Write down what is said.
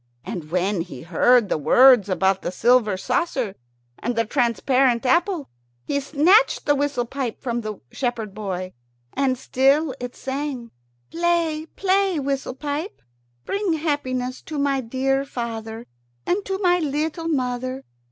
And when he heard the words about the silver saucer and the transparent apple, he snatched the whistle pipe from the shepherd boy. And still it sang: "Play, play, whistle pipe! Bring happiness to my dear father and to my little mother.